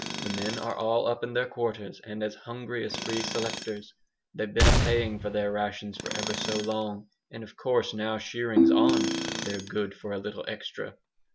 The men are all up in their quarters, and as hungry as free selectors. They've been a payin' for their rations for ever so long, and of course now shearing's on, they're good for a little extra!"